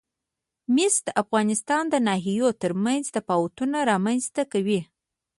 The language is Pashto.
مس د افغانستان د ناحیو ترمنځ تفاوتونه رامنځ ته کوي.